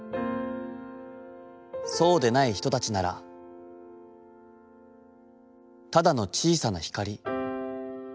そうでない人たちなら、ただの小さな光。